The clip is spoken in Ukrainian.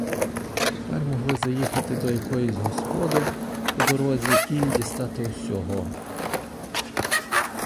Тепер могли заїхати до якоїсь господи по дорозі і дістати усього.